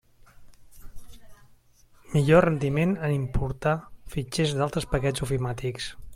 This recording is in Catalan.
Millor rendiment en importar fitxers d'altres paquets ofimàtics.